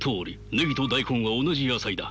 ネギと大根は同じ野菜だ。